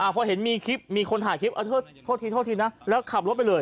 เพราะเห็นมีคนถ่ายคลิปโทษธีแล้วขับรถไปเลย